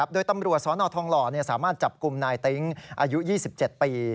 โดยตำรวจสนทองหล่อสามารถจับกลุ่มนายติ๊งอายุ๒๗ปี